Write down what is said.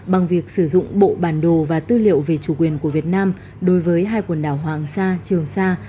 bằng việc sử dụng bộ bản đồ và tư liệu về chủ quyền của việt nam đối với hai quần đảo hoàng sa trường sa